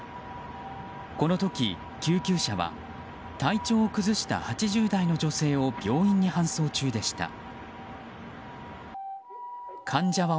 この時、救急車は体調を崩した８０代の女性を病院に搬送中でした。